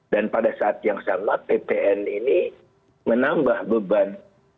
dan pada saat yang sama ppn ini menambah beban